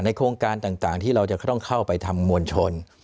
โครงการต่างที่เราจะต้องเข้าไปทำมวลชน